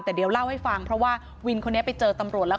แต่เดี๋ยวเล่าให้ฟังเพราะว่าวินคนนี้ไปเจอตำรวจแล้ว